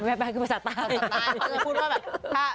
ก็คือภาษาใต้